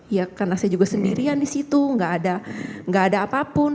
ya karena saya juga sendirian disitu gak ada gak ada apapun